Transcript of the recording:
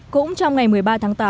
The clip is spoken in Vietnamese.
cũng trong ngày một mươi ba tháng ba